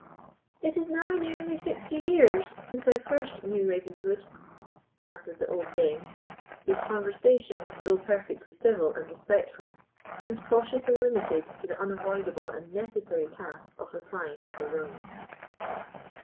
"It is now nearly sixty years since I first knew Ravenswood," answered the old dame, whose conversation, though perfectly civil and respectful, seemed cautiously limited to the unavoidable and necessary task of replying to Sir William.